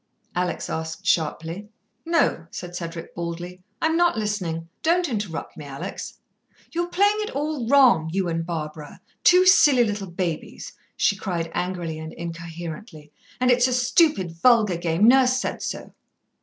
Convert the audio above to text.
Alex asked sharply. "No," said Cedric baldly. "I'm not listening. Don't interrupt me, Alex." "You're playing it all wrong you and Barbara. Two silly little babies," she cried angrily and incoherently. "And it's a stupid, vulgar game. Nurse said so."